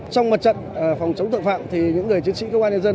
trong mặt trận phòng chống tội phạm thì những người chiến sĩ công an nhân dân